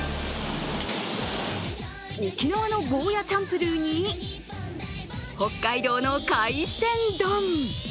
沖縄のゴーヤチャンプルーに北海道の海鮮丼。